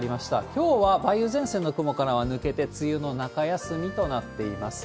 きょうは梅雨前線の雲からは抜けて、梅雨の中休みとなっています。